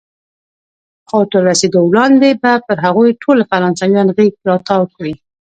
خو تر رسېدو وړاندې به پر هغوی ټولو فرانسویان غېږ را تاو کړي.